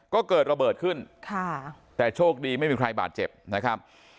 ก็เกิดระเบิดขึ้นค่ะแต่โชคดีไม่มีใครบาดเจ็บนะครับ